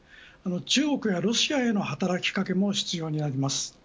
中国やロシアへの働き掛けも必要になります。